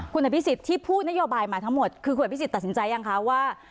คุณอภิษฎที่พูดนโยบายมาทั้งหมดคือคุณอภิษฎตัดสินใจยังคะว่า